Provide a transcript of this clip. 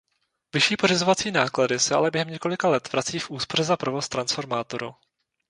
Vyšší pořizovací náklady se ale během několika let vrací v úspoře za provoz transformátoru.